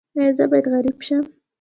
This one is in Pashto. ایا زه باید غریب شم؟